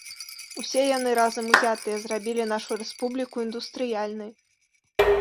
Усе яны, разам узятыя, зрабілі нашу рэспубліку індустрыяльнай.